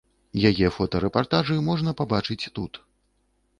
Яе фотарэпартажы можна пабачыць тут.